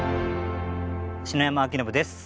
篠山輝信です。